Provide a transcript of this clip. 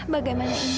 bagaimana ini ya allah